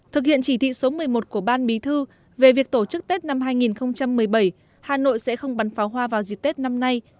thực hiện chỉ thị số một mươi một của ban bí thư về việc tổ chức tết năm hai nghìn một mươi bảy hà nội sẽ không bắn pháo hoa vào dịp tết năm nay